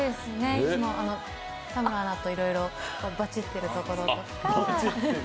いつも田村アナといろいろドチっているところを。